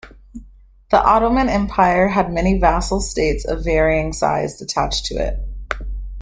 The Ottoman Empire had many vassal states of varying size attached to it.